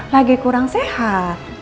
lagi kurang sehat